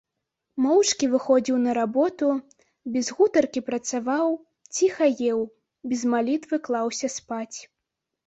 Моўчкі выходзіў на работу, без гутаркі працаваў, ціха еў, без малітвы клаўся спаць.